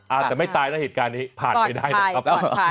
อาจจะไม่ตายนะเหตุการณ์นี้ผ่านไปได้นะครับ